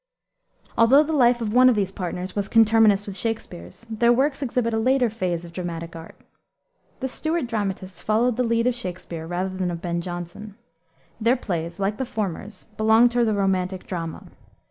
Although the life of one of these partners was conterminous with Shakspere's, their works exhibit a later phase of the dramatic art. The Stuart dramatists followed the lead of Shakspere rather than of Ben Jonson. Their plays, like the former's, belong to the romantic drama.